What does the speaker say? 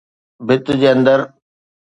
ڀت جي اندر.